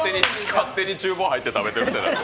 勝手に厨房入って食べてるみたいな。